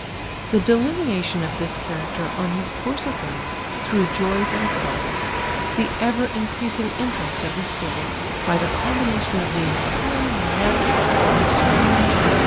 The delineation of this character on his course of life through joys and soitows, the ever increasing interest of the gtory, by the combination of the entirely natural with the strange and the sin